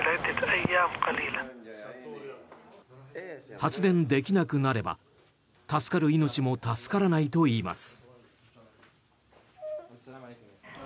発電できなくなれば助かる命も助からないといいます。